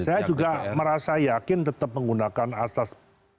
saya juga merasa yakin tetap menggunakan asas